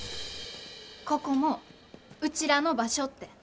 ここもうちらの場所って。